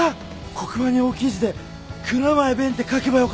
黒板に大きい字で蔵前勉って書けばよかった。